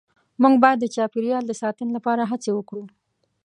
مونږ باید د چاپیریال د ساتنې لپاره هڅې وکړو